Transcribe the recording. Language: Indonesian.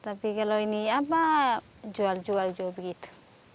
tapi kalau ini apa jual jual begitu